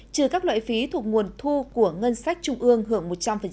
trừ các loại phí thuộc nguồn thu của ngân sách trung ương hưởng một trăm linh